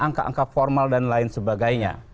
angka angka formal dan lain sebagainya